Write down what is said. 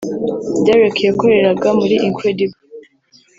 Dereck yakoreraga muri Incredible